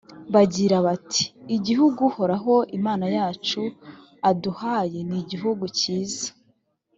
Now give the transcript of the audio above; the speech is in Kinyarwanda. bagira bati igihugu uhoraho imana yacu aduhaye ni igihugu cyiza!